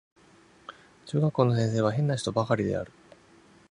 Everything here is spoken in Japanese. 中学校の先生は変な人ばかりである